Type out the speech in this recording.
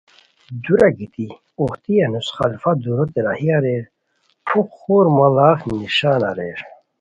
دُورہ گیتی اوہتی انوس خلفو دُوروت راہی اریر پُھک خور مڑاغ نسان اریر